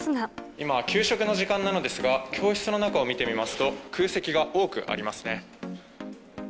今、給食の時間ですが、教室の中を見てみますと、空席が多くありますね。